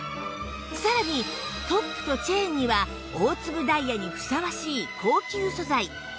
さらにトップとチェーンには大粒ダイヤにふさわしい高級素材プラチナを使用